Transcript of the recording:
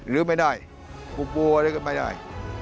ลืมไม่ได้ปูปูอะไรก็ไม่ได้